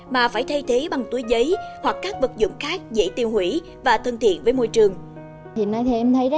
mà phải thay thế bằng túi giấy hoặc các vật dụng khác dễ tiêu hủy và thân thiện với môi trường